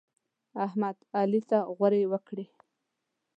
احمد؛ علي ته غورې وکړې.